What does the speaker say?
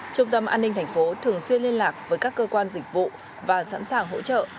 trung tâm an ninh thành phố thường xuyên liên lạc với các cơ quan dịch vụ và sẵn sàng hỗ trợ